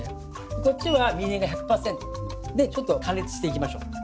こっちはみりんが１００％。でちょっと加熱していきましょう。